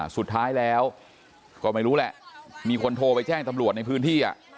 สุดท้ายแล้วก็ไม่รู้แหละมีคนโทรไปแจ้งตำรวจในพื้นที่